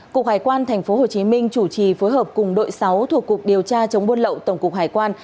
cục hải quan tp hcm chủ trì phối hợp cùng đội sáu thuộc cục điều tra chống buôn lậu tổng cục hải quan